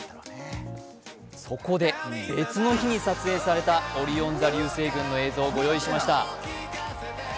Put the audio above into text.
そこで別の日に撮影されたオリオン座流星群の映像をご用意しました。